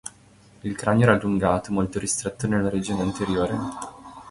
Il cranio era allungato, molto ristretto nella regione anteriore.